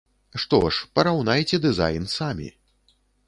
Што ж, параўнайце дызайн самі.